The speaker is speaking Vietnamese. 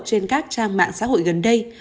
trên các trang mạng xã hội gần đây